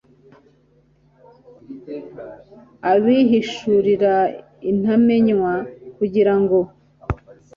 abihishurira intamenywa, kugira ngo